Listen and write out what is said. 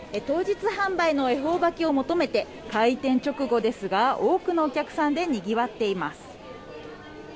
当日販売の恵方巻きを求めて開店直後ですが多くのお客さんでにぎわっています。